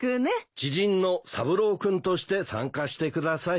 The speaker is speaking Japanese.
知人の三郎君として参加してください。